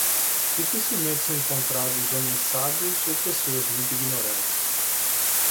Dificilmente são encontrados homens sábios ou pessoas muito ignorantes.